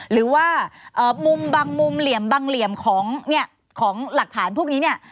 หรือว่ามุมบางมุมเหลี่ยมบางเหลี่ยมของหลักฐานพวกนี้เนี่ย